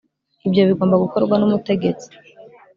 ibyo bigomba gukorwa n'umutegetsi